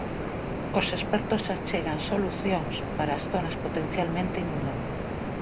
Os expertos achegan solucións para as zonas potencialmente inundables.